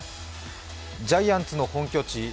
ジャイアンツの本拠地